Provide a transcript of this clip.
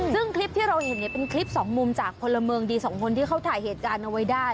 ซึ่งคลิปที่เราเห็นเป็นคลิปสองมุมจากพลเมืองดีสองคนที่เขาถ่ายเหตุการณ์เอาไว้ได้